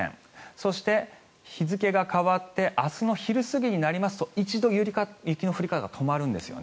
そして日付が変わって明日の昼過ぎになりますと一度、雪の降り方が止まるんですよね。